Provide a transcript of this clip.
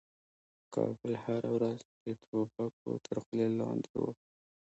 کابل هره ورځ د توپکو تر خولې لاندې و.